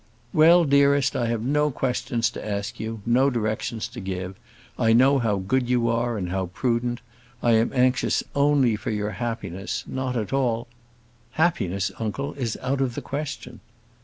"Well, dearest, I have no questions to ask you: no directions to give. I know how good you are, and how prudent; I am anxious only for your happiness; not at all " "Happiness, uncle, is out of the question."